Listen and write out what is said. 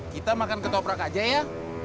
kita makan ketoprak aja ya